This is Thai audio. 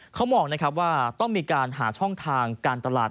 เขามองนะครับว่าต้องมีการหาช่องทางการตลาด